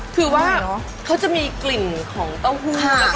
คือว่าเขาจะมีกลิ่นของเต้าหู้